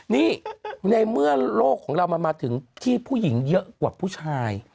นี่ในเมื่อโลกของเรามันมาถึงที่ผู้หญิงเยอะกว่าผู้ชาย